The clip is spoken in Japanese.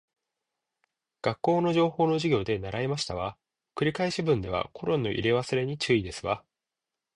学校の情報の授業で習いましたわ。繰り返し文ではコロンの入れ忘れに注意ですわ